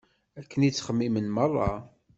Akken i ttxemmimen meṛṛa.